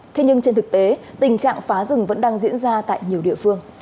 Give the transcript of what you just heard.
thế nhưng trên thực tế tình trạng phá rừng vẫn đang diễn ra tại nhiều địa phương